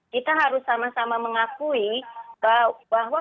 kita harus sama sama mengakui bahwa